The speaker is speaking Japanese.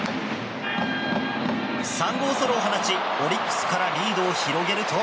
３号ソロを放ち、オリックスからリードを広げると。